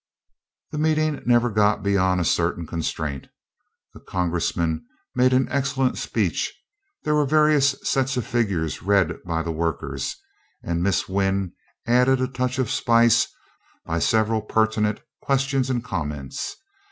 The meeting never got beyond a certain constraint. The Congressman made an excellent speech; there were various sets of figures read by the workers; and Miss Wynn added a touch of spice by several pertinent questions and comments.